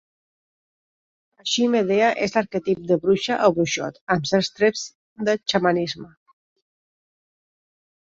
Així, Medea és l'arquetip de bruixa o bruixot, amb certs trets de xamanisme.